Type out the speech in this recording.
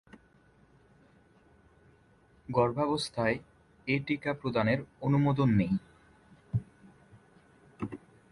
গর্ভাবস্থায় এ টিকা প্রদানের অনুমোদন নেই।